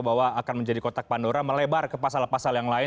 bahwa akan menjadi kotak pandora melebar ke pasal pasal yang lain